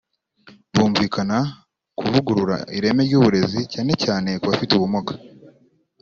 bumvikana kuvugurura ireme ry’uburezi cyane cyane kubafite ubumuga